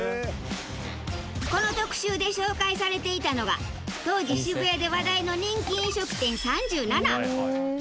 この特集で紹介されていたのが当時渋谷で話題の人気飲食店３７。